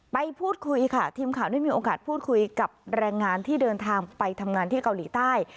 ไปพูดคุยค่ะทีมข่าวได้มีโอกาสพูดคุยกับแรงงานที่เดินทางไปทำงานที่เกาหลีใต้